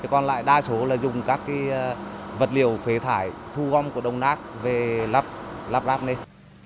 còn lại đa số là dùng các vật liệu phế thải thu gom của đồng nát về lắp đắp lên